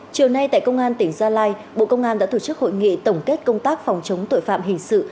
chiều nay tại công an tỉnh gia lai bộ công an đã tổ chức hội nghị tổng kết công tác phòng chống tội phạm hình sự